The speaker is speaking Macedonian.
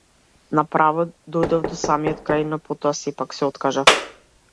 На право дојдов до самиот крај, но потоа сепак се откажав.